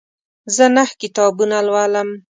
زه نهه کتابونه لولم.